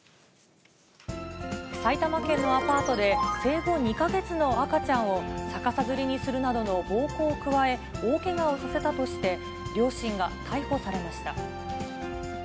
埼玉県のアパートで、生後２か月の赤ちゃんを逆さづりにするなどの暴行を加え、大けがをさせたとして、両親が逮捕されました。